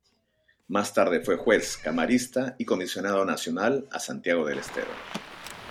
Más tarde fue juez, camarista y comisionado nacional a Santiago del Estero.